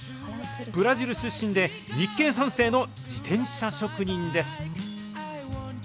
ブラジル出身で、日系３世の自転車職人です。